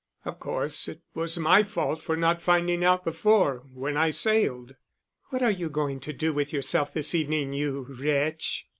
"Of course it was my fault for not finding out before, when I sailed." "What are you going to do with yourself this evening, you wretch?"